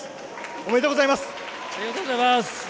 ありがとうございます。